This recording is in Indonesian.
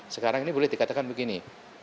sekarang ini boleh dikatakan begini